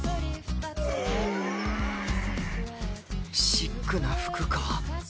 シックな服か。